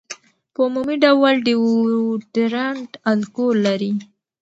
په عمومي ډول ډیوډرنټ الکول لري.